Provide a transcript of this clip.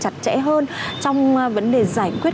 chặt chẽ hơn trong vấn đề giải quyết